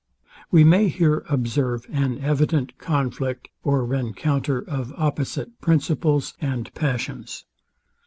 We may here observe an evident conflict or rencounter of opposite principles and passions.